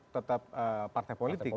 tetap partai politik